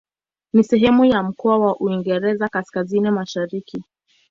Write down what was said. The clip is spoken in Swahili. Ni sehemu ya mkoa wa Uingereza Kaskazini-Mashariki.